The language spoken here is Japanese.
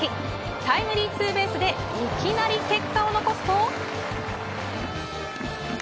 タイムリーツーベースでいきなり結果を残すと。